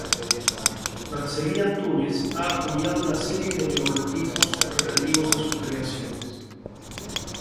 Marcel·lí Antúnez ha acuñado una serie de neologismos relativos a sus creaciones.